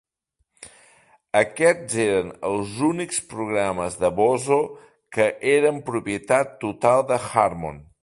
Aquests eren els únics programes de Bozo que eren propietat total de Harmon.